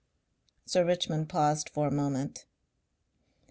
Sir Richmond paused for a moment.